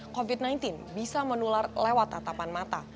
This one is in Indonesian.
covid sembilan belas bisa menular lewat atapan mata